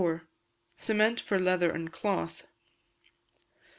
Cement for Leather and Cloth.